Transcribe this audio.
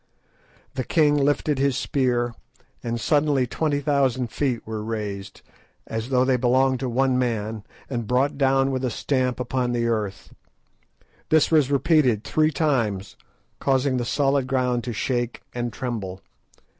The king lifted his spear, and suddenly twenty thousand feet were raised, as though they belonged to one man, and brought down with a stamp upon the earth. This was repeated three times, causing the solid ground to shake and tremble.